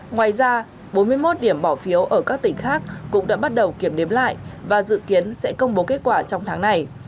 ngoài ra bốn mươi một điểm bỏ phiếu ở các tỉnh khác cũng đã bắt đầu kiểm đếm lại và dự kiến sẽ công bố kết quả trong tháng này